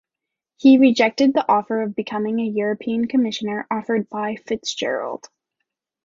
He rejected the offer of becoming a European Commissioner offered by FitzGerald.